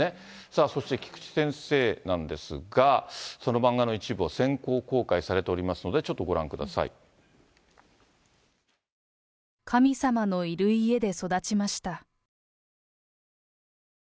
さあ、そして菊池先生なんですが、その漫画の一部を先行公開されていますので、ちょっとご覧くださ神様のいる家で育ちました。